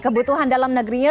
kebutuhan dalam negerinya